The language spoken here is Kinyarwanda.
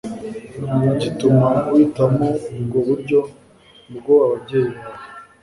gituma uhitamo ubwo buryo bwo ababyeyi bawe